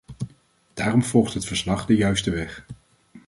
Daarom volgt het verslag de juiste weg.